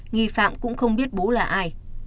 nghi phạm cũng không biết bố là ai